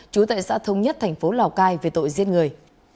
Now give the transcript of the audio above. chú tại xã thông nhất thành phố lào cai về tội giết người